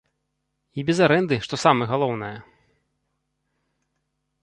І без арэнды, што самае галоўнае!